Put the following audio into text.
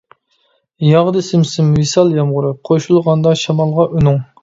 ياغدى سىم-سىم ۋىسال يامغۇرى، قوشۇلغاندا شامالغا ئۈنۈڭ.